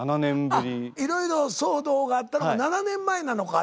あっいろいろ騒動があったのが７年前なのか？